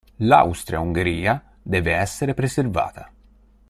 L'Austria-Ungheria deve essere preservata.